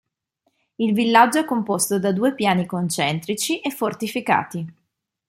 Il villaggio è composto da due piani concentrici e fortificati.